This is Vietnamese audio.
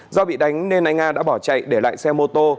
do bị đánh nên anh nga đã bỏ chạy để lại xe mô tô